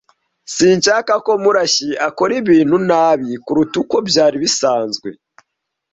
Sinshaka ko Murashyi akora ibintu nabi kuruta uko byari bisanzwe.